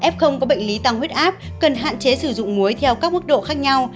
f có bệnh lý tăng huyết áp cần hạn chế sử dụng muối theo các mức độ khác nhau